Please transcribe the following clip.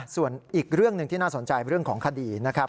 ส่วนอีกเรื่องหนึ่งที่น่าสนใจเรื่องของคดีนะครับ